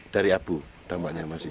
dari abu dampaknya masih